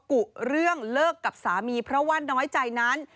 กุเรื่องเลิกกับสามีเพราะว่าน้อยใจนั้น